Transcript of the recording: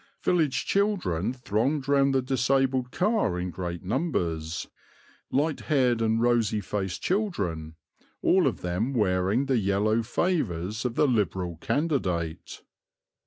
Village children thronged round the disabled car in great numbers, light haired and rosy faced children, all of them wearing the yellow favours of the Liberal candidate.